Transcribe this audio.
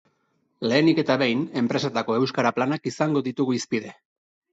Lehenik eta behin, enpresetako euskara planak izango ditugu hizpide.